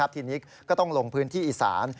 ทีนี้ก็ต้องลงพื้นที่อีสาน